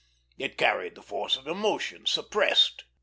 It carried the force of emotion suppressed.